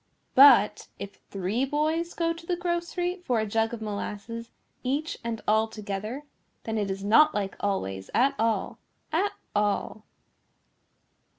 But if three boys go to the grocery for a jug of molasses each and all together then it is not like always at all, at all.